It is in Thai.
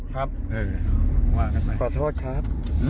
ขอโทษครับ